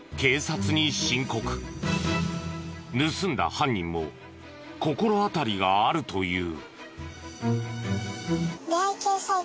盗んだ犯人も心当たりがあるという。